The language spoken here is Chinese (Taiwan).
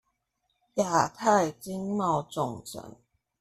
亞太經貿重鎮